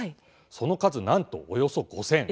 その数なんと、およそ５０００。